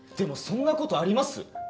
そんなことあります？